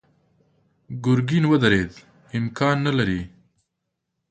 ګرګين ودرېد: امکان نه لري.